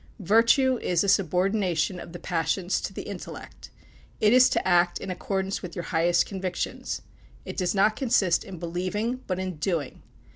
Virtue is a subordination of the passions to the intellect. It is to act in accordance with your highest convictions. It does not consist in believing, but in doing.